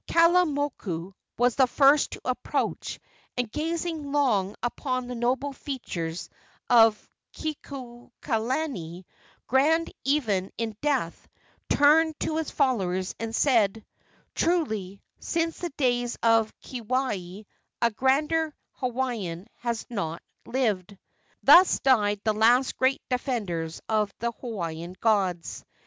Kalaimoku was the first to approach, and gazing long upon the noble features of Kekuaokalani, grand even in death, turned to his followers and said: "Truly, since the days of Keawe a grander Hawaiian has not lived!" Thus died the last great defenders of the Hawaiian gods.